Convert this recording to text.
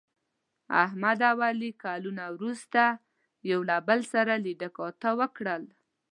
احمد او علي کلونه وروسته یو له بل سره لیده کاته وکړل.